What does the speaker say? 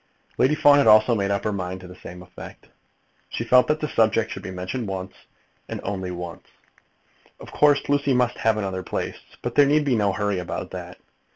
Lady Fawn had also made up her mind to the same effect. She felt that the subject should be mentioned once, and once only. Of course Lucy must have another place, but there need be no hurry about that.